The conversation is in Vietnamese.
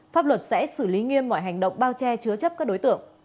pháp luật sẽ xử lý nghiêm mọi hành động bao che chứa chấp các đối tượng